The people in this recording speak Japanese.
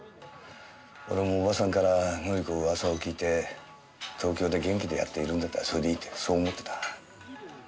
俺も叔母さんから紀子の噂を聞いて東京で元気でやっているんだったらそれでいいってそう思ってた。